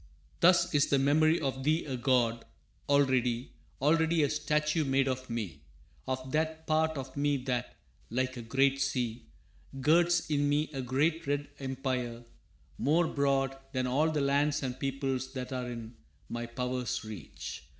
«Thus is the memory of thee a god Already, already a statue made of me Of that part of me that, like a great sea, Girds in me a great red empire more broad Than all the lands and peoples that are in My power's reach.